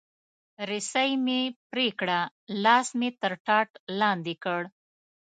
رسۍ مې پرې کړه، لاس مې تر ټاټ لاندې کړ.